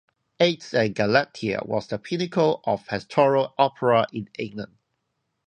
"Acis and Galatea" was the pinnacle of pastoral opera in England.